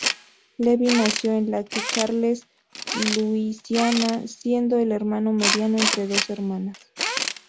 Levi nació en Lake Charles, Luisiana, siendo el hermano mediano entre dos hermanas.